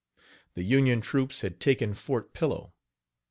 The Union troops had taken Fort Pillow.